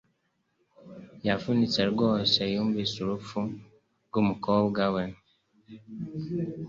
Yavunitse rwose yumvise urupfu rwumukobwa we